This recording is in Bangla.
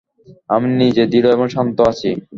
আমি নিজে দৃঢ় এবং শান্ত আছি।